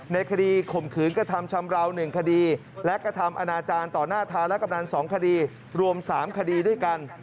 ในคดีข่มขืนกระทำชำราว๑คดีและกระทำอนาจารย์ต่อหน้าทาและกำนัน๒คดีรวม๓คดีด้วยกัน